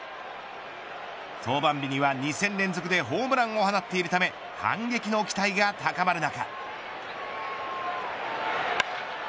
登板日には２戦連続でホームランを放っているため反撃の期待が高まる中。